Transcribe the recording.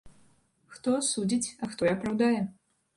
Хто асудзіць, а хто і апраўдае.